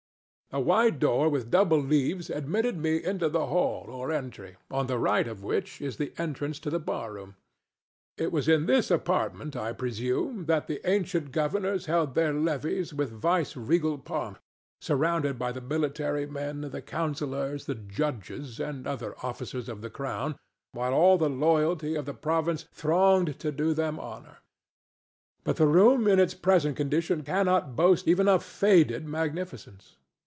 A wide door with double leaves admitted me into the hall or entry, on the right of which is the entrance to the bar room. It was in this apartment, I presume, that the ancient governors held their levees with vice regal pomp, surrounded by the military men, the counsellors, the judges, and other officers of the Crown, while all the loyalty of the province thronged to do them honor. But the room in its present condition cannot boast even of faded magnificence.